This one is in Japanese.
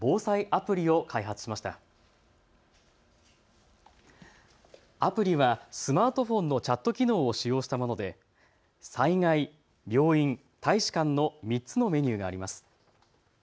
アプリはスマートフォンのチャット機能を使用したもので災害、病院、大使館の３つのメニューがあります。